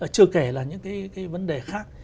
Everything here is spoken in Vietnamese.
chưa kể là những cái vấn đề khác